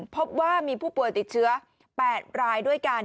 พบว่ามีผู้ป่วยติดเชื้อ๘รายด้วยกัน